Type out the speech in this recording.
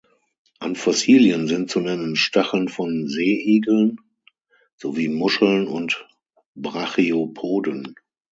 An Fossilien sind zu nennen Stacheln von Seeigeln sowie Muscheln und Brachiopoden.